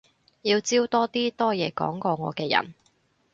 要招多啲多嘢講過我嘅人